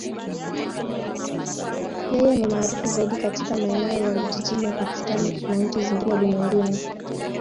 Yeye ni maarufu zaidi katika maeneo ya vijijini ya Pakistan na nchi zingine ulimwenguni.